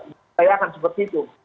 dikayakan seperti itu